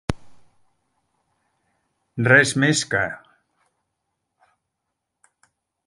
Res més que.